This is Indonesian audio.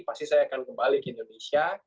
pasti saya akan kembali ke indonesia